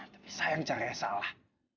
tapi sayang caranya salah